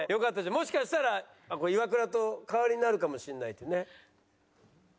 もしかしたらイワクラと変わりになるかもしれない。